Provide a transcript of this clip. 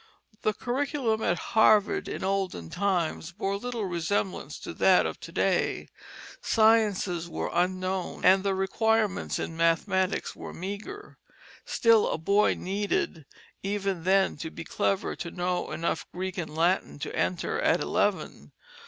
The curriculum at Harvard in olden times bore little resemblance to that of to day. Sciences were unknown, and the requirements in mathematics were meagre. Still a boy needed even then to be clever to know enough Greek and Latin to enter at eleven.